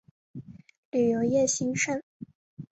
旅游业兴盛。